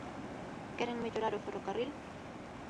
¿Queren mellorar o ferrocarril?